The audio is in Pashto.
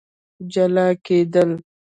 جلا کېدل